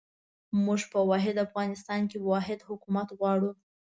موږ په واحد افغانستان کې واحد حکومت غواړو.